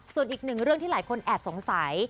ส่วนอีกหนึ่งเรื่องที่หลายคนแอบสงสัย